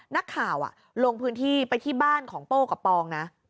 นักข่าวลงพื้นที่ไปที่บ้านของโป้กับปองนะ